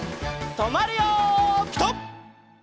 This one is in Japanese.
とまるよピタ！